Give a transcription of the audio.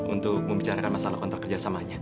untuk membicarakan masalah kontrak kerjasamanya